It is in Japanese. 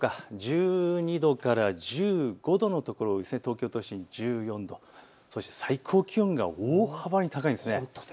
１２度から１５度のところ、東京都心１４度、そして最高気温が大幅に高いんです。